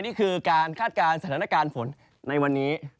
นี่คือการคาดการณ์สถานการณ์ฝนในวันนี้